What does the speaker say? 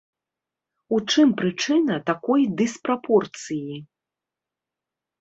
У чым прычына такой дыспрапорцыі?